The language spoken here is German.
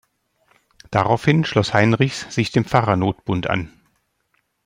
Daraufhin schloss Heinrichs sich dem Pfarrernotbund an.